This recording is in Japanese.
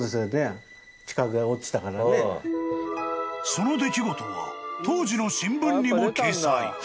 ［その出来事は当時の新聞にも掲載］